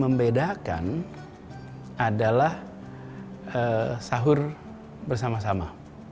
membedakan adalah sahur bersama sama